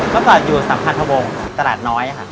ก็เปิดอยู่สัมพันธวงศ์ตลาดน้อยค่ะ